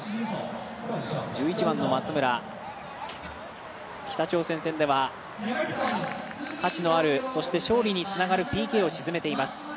１１番の松村、北朝鮮戦では価値のある、そして勝利につながるＰＫをしています。